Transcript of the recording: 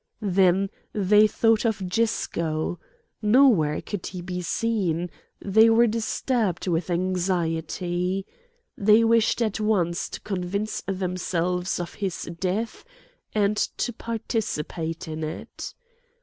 Then they thought of Gisco. Nowhere could he be seen; they were disturbed with anxiety. They wished at once to convince themselves of his death and to participate in it.